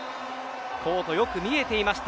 コート、よく見えていました。